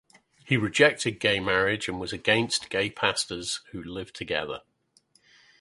He rejected gay marriage and was against gay pastors who live together.